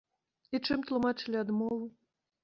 І чым тлумачылі адмову?